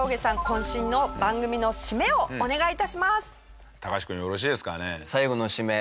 渾身の番組の締めをお願い致します。